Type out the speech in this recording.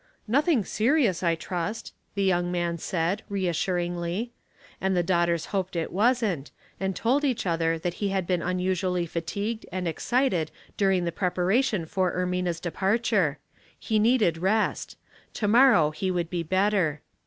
"Nothing serious, I trust," the young man said, reas suringly; and the daughters hoped it wasn't, and told each other that he had been unusually fatigued and excited during the preparation for Ermina's departure ; he needed rest ; to morrow he would be better.